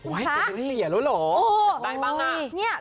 เกลียดละหรอแบบไหนบ้าง